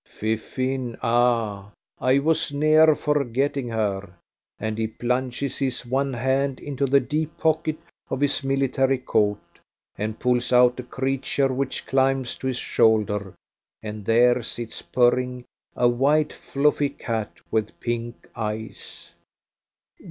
"Fifine ah! I was near forgetting her," and he plunges his one hand into the deep pocket of his military coat and pulls out a creature which climbs to his shoulder, and there sits purring a white fluffy cat with pink eyes.